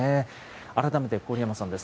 改めて郡山さんです。